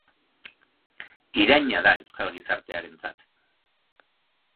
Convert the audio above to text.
Iraina da euskal gizartearentzat.